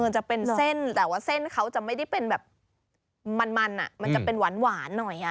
มันจะเป็นเส้นแต่ว่าเส้นเขาจะไม่ได้เป็นแบบมันมันจะเป็นหวานหน่อย